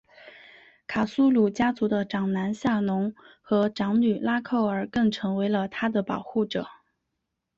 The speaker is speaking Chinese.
卡苏鲁家族的长男夏农和长女拉蔻儿更成为了她的保护者。